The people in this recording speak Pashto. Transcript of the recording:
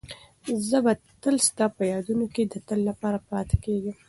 زه به تل ستا په یادونو کې د تل لپاره پاتې کېږم.